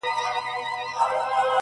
نن به ریږدي د فرنګ د زوی ورنونه،